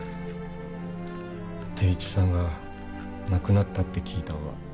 定一さんが亡くなったって聞いたんは。